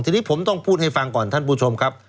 ทีนี้ผมต้องพูดให้ฟังก่อนท่านผู้ชมครับ